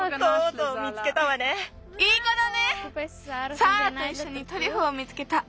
サーラといっしょにトリュフを見つけた。